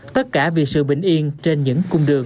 tất cả vì sự bình yên trên những cung đường